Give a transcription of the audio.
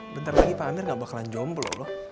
bentar lagi pak amir gak bakalan jomblo loh